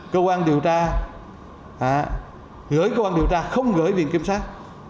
cơ quan điều tra gửi cơ quan điều tra không gửi viện kiểm soát